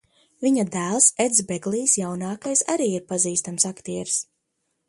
Viņa dēls Eds Beglijs jaunākais arī ir pazīstams aktieris.